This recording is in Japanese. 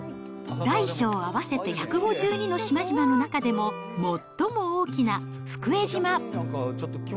大小合わせて１５２の島々の中でも、最も大きな福江島。